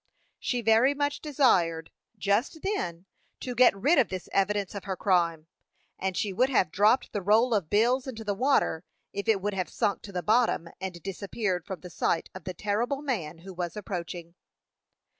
She very much desired, just then, to get rid of this evidence of her crime, and she would have dropped the roll of bills into the water if it would have sunk to the bottom, and disappeared from the sight of the terrible man who was approaching.